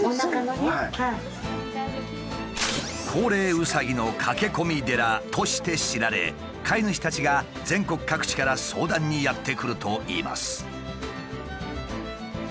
うさぎって手術するの？として知られ飼い主たちが全国各地から相談にやって来るといいます。